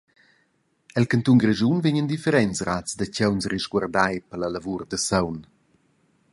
El cantun Grischun vegnan differents razs da tgauns risguardai per la lavur da saung.